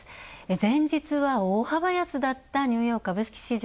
前日は大幅安だったニューヨーク株式市場。